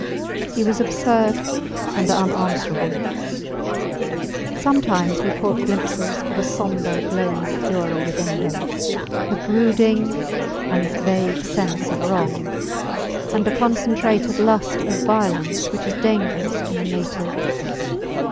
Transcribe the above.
He was absurd and unanswerable. Sometimes we caught glimpses of a sombre, glowing fury within him a brooding and vague sense of wrong, and a concentrated lust of violence which is dangerous in a native.